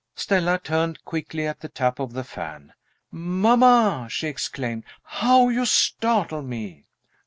Stella turned quickly at the tap of the fan. "Mamma!" she exclaimed, "how you startle me!"